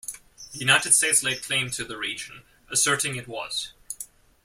The United States laid claim to the region, asserting it was.